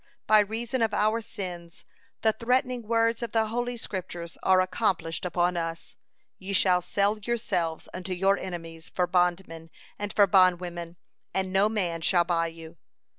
By reason of our sins the threatening words of the Holy Scriptures are accomplished upon us: 'Ye shall sell yourselves unto your enemies for bondmen and for bondwomen, and no man shall buy you.'